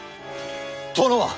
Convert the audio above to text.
殿は！